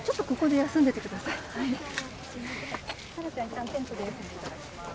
いったんテントで休んでいただきます。